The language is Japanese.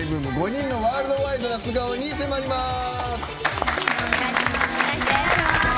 ５人のワールドワイドな素顔に迫ります。